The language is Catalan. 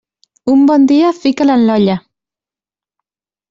Un bon dia, fica'l en l'olla.